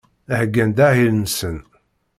Heyyan-d ahil-nsen.